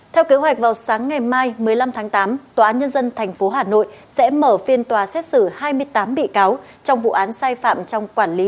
theo kế hoạch vào sáng ngày mai một mươi năm tháng tám tòa án nhân dân tp hà nội sẽ mở phiên tòa xét xử hai mươi tám bị cáo trong vụ án sai phạm trong quản lý